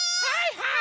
はい！